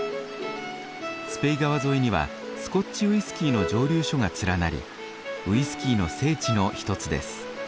スペイ川沿いにはスコッチウイスキーの蒸留所が連なりウイスキーの聖地の一つです。